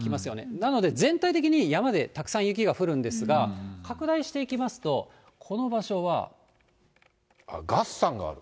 なので、全体的に山でたくさん雪が降るんですが、拡大していきますと、月山がある。